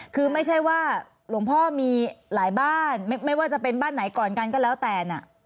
คือไม่ใช่ว่าหลวงพ่อมีหลายบ้านไม่ว่าจะเป็นบ้านไหนก่อนกันก็แล้วแต่น่ะ